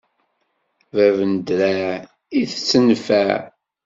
Bab n ddreɛ itett nnfeɛ.